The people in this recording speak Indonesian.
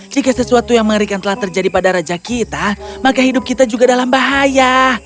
jika sesuatu yang mengerikan telah terjadi pada raja kita maka hidup kita juga dalam bahaya